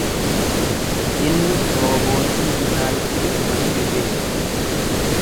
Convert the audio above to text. Inni roobootii bishaan fidu hojjeteera.